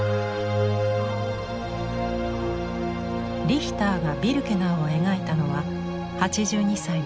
リヒターが「ビルケナウ」を描いたのは８２歳の時。